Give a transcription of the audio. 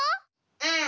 うん！